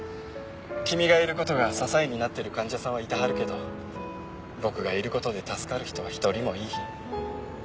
君がいる事が支えになってる患者さんはいてはるけど僕がいる事で助かる人は１人もいいひん。